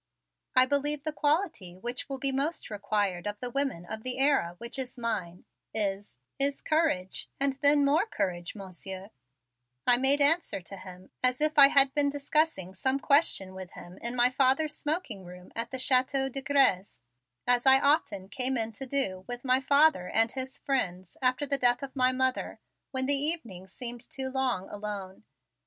"I believe the quality which will be most required of the women of the era which is mine, is is courage and then more courage, Monsieur," I made answer to him as if I had been discussing some question with him in my father's smoking room at the Chateau de Grez, as I often came in to do with my father and his friends after the death of my mother when the evenings seemed too long alone.